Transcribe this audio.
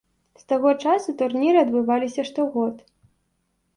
З таго часу турніры адбываліся штогод.